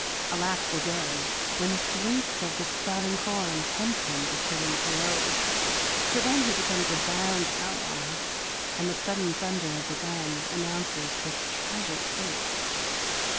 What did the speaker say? Alack the day, when the sweets of the sprouting corn tempt him to turn rogue, for then he becomes a banned outlaw, and the sudden thunder of the gun announces his tragic fate.